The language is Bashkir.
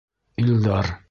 Илдар...